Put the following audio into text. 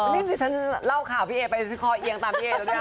นี่ดิฉันเล่าข่าวพี่เอไปคอเอียงตามพี่เอแล้วเนี่ย